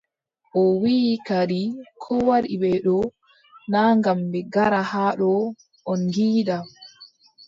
O wiʼi kadi koo waddi ɓe ɗo, naa ngam ɓe ngara haa ɗo on ngiida.